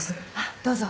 どうぞ。